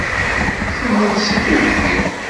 Temmut seg tuggdi.